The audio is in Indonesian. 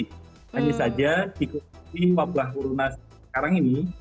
hanya saja dikunci wabah urunasi sekarang ini